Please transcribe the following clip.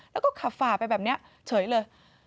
แล้วก็ขับฝ่าไปแบบนี้เฉยเลย